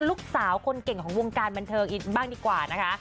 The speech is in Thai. ลูกสาวคนเก่งของวงการบันเทิงอีกบ้างดีกว่านะคะ